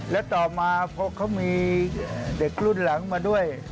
แล้วต่อมาเพราะเขามีเด็กรุ่นหลังมาด้วย